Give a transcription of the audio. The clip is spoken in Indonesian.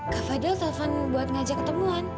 kak fadil telpon buat ngajak ketemuan